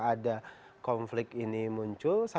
ada konflik ini muncul